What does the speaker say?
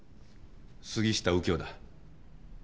杉下右京だ。